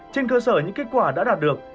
trên cơ sở những kết quả đã đạt được